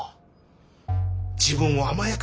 自分を甘やかすな。